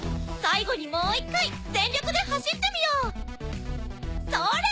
最後にもう１回全力で走ってみよう。